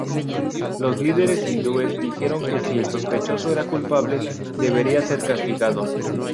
Los líderes hindúes dijeron que si el sospechoso era culpable, debería ser castigado.